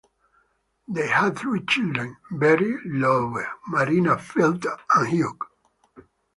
They had three children: Betty Lowe, Marina Field, and Hugh.